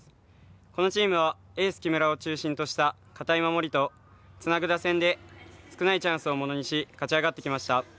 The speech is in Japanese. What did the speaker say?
このチームはエース木村を中心とした堅い守りと、つなぐ打線で少ないチャンスをものにし勝ち上がってきました。